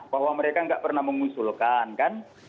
bahwa mereka nggak pernah mengusulkan kan